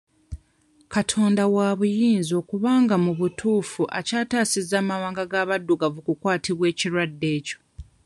Katonda waabuyinza okubanga mu butuufu akyataasizza amawanga g'abaddugavu okukwatibwa ekirwadde ekyo.